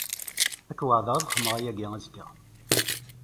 Ad k-weɛdeɣ ad xedmeɣ aya azekka.